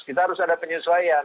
kita harus ada penyesuaian